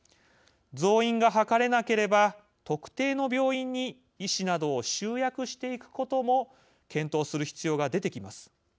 増員が図れなければ特定の病院に医師などを集約していくことも検討する必要が出てきます。